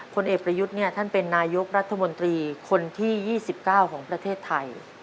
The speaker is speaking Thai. ผลเอกประยุทธ์ท่านเป็นนายกรัฐมนตรีคนที่๒๙ของประเทศไทย